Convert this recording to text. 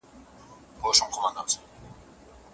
د مور ارام خبرې ماشوم ته امن ورکوي.